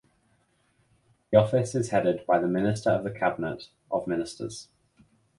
The office is headed by the Minister of the Cabinet of Ministers.